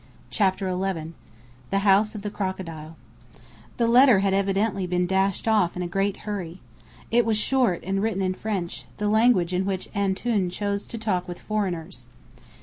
CHAPTER XI THE HOUSE OF THE CROCODILE The letter had evidently been dashed off in a great hurry. It was short and written in French, the language in which "Antoun" chose to talk with foreigners.